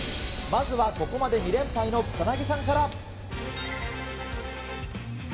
まずはここまで２連敗の草薙さんから。